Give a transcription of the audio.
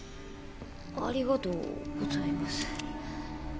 ありがとうございます。